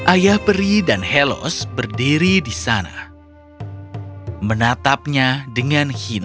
ayah peri dan helos berdiri di sana menatapnya dengan hina